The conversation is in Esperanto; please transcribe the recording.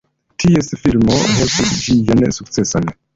Ties filmo helpis ĝian sukceson.